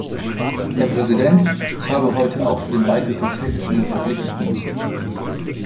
Herr Präsident! Ich habe heute auch für den Beitritt der Tschechischen Republik gestimmt.